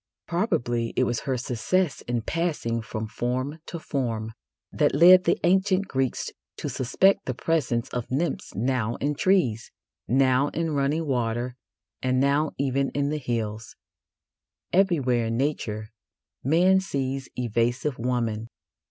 Probably it was her success in passing from form to form that led the ancient Greeks to suspect the presence of nymphs now in trees, now in running water, and now even in the hills. Everywhere in Nature man sees evasive woman.